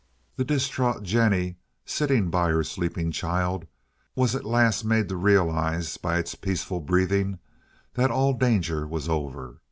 The distraught Jennie, sitting by her sleeping child, was at last made to realize, by its peaceful breathing that all danger was over.